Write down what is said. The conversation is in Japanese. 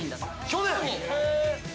◆去年？